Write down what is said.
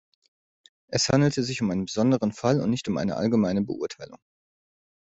Es handelte sich um einen besonderen Fall und nicht um eine allgemeine Beurteilung.